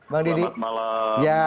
bang didi selamat malam